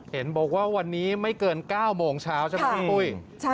เห็นบอกว่าวันนี้ไม่เกิน๙โมงเช้าใช่ไหมพี่ปุ้ย